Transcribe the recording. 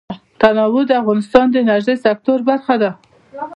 تنوع د افغانستان د انرژۍ سکتور برخه ده.